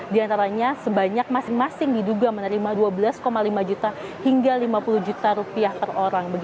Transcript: di antaranya sebanyak masing masing diduga menerima dua belas lima juta hingga lima puluh juta rupiah per orang